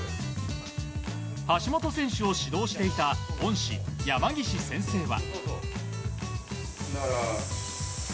橋本選手を指導していた恩師・山岸先生は。